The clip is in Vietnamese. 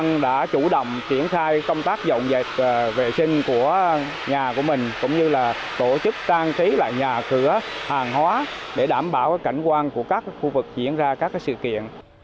chúng tôi đã chủ động triển khai công tác dọn dẹp vệ sinh của nhà của mình cũng như là tổ chức trang trí lại nhà cửa hàng hóa để đảm bảo cảnh quan của các khu vực diễn ra các sự kiện